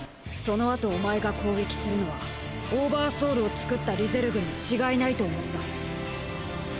そのあとお前が攻撃するのはオーバーソウルを作ったリゼルグに違いないと思った。